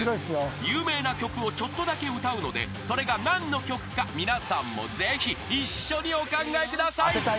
［有名な曲をちょっとだけ歌うのでそれが何の曲か皆さんもぜひ一緒にお考えください］